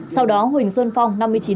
sau đó huỳnh xuân phong năm mươi chín tuổi